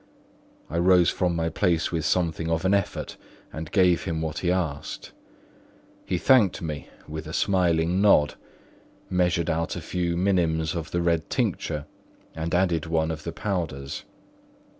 I rose from my place with something of an effort and gave him what he asked. He thanked me with a smiling nod, measured out a few minims of the red tincture and added one of the powders.